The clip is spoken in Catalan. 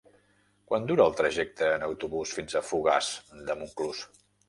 Quant dura el trajecte en autobús fins a Fogars de Montclús?